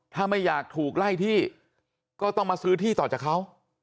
ถ้าไม่อยากถูกไล่ที่ก็ต้องมาซื้อที่ต่อจากเขา